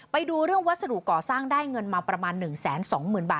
ไปดูเรื่องวัสดุก่อสร้างได้เงินมาประมาณหนึ่งแสนสองหมื่นบาท